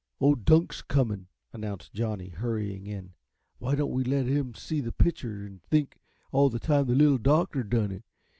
Old Dunk's comin'," announced Johnny, hurrying in. "Why don't yuh let 'im see the pitcher an' think all the time the Little Doctor done it?